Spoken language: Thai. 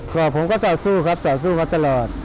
แล้วผมก็จอดสู้ครับจอดสู้เขาตลอด